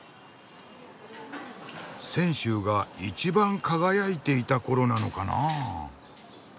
泉州が一番輝いていた頃なのかなあ。